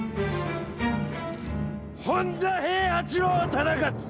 本多平八郎忠勝！